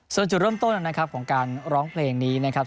ส่วนจุดเริ่มต้นนะครับของการร้องเพลงนี้นะครับ